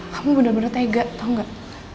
kamu bener bener tega tau gak